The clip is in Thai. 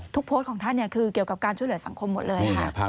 โพสต์ของท่านคือเกี่ยวกับการช่วยเหลือสังคมหมดเลยค่ะ